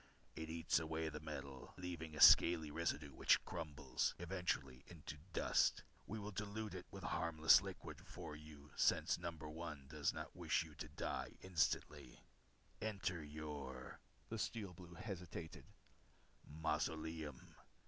It eats away the metal, leaving a scaly residue which crumbles eventually into dust. "We will dilute it with a harmless liquid for you since No. 1 does not wish you to die instantly. "Enter your" the Steel Blue hesitated "mausoleum.